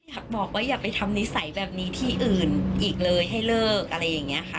บอกว่าอย่าไปทำนิสัยแบบนี้ที่อื่นอีกเลยให้เลิกอะไรอย่างนี้ค่ะ